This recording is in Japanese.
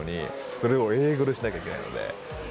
それを英語でしなきゃいけないので。